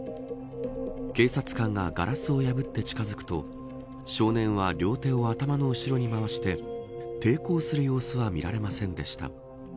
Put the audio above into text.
警察官がガラスを破って近づくと少年は両手を頭の後ろに回して抵抗する様子は見られませんでした。